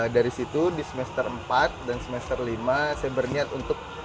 dari situ di semester empat dan semester lima saya berniat untuk